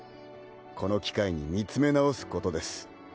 この機会に見つめ直すことです